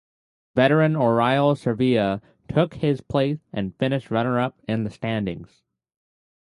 Veteran Oriol Servia took his place and finished runner-up in the standings.